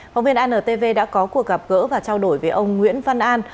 phóng viên antv đã có cuộc gặp gỡ và trao đổi với ông nguyễn văn an